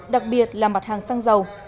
đặc biệt là mặt hàng xăng dầu